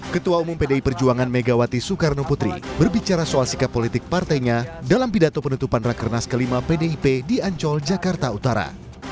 ketua umum pdi perjuangan megawati soekarno putri berbicara soal sikap politik partainya dalam pidato penutupan rakernas ke lima pdip di ancol jakarta utara